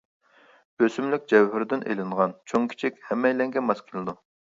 ئۆسۈملۈك جەۋھىرىدىن ئېلىنغان، چوڭ كىچىك ھەممەيلەنگە ماس كېلىدۇ.